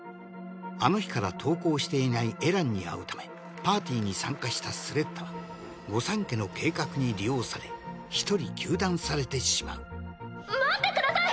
あの日から登校していないエランに会うためパーティに参加したスレッタは御三家の計画に利用され一人糾弾されてしまう待ってください！